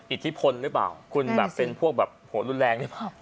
อิทธิพลหรือเปล่าคุณเป็นพวกหัวรุนแรงหรือเปล่าแน่นอนสิ